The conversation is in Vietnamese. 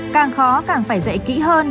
càng khó càng phải dạy kỹ hơn